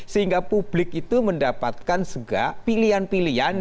sehingga publik itu mendapatkan juga pilihan pilihan